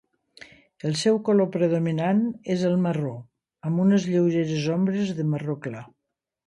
El seu color predominant és el marró amb unes lleugeres ombres de marro clar.